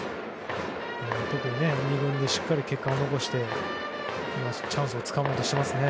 特に２軍でしっかりと結果を残して、チャンスをつかもうとしていますね。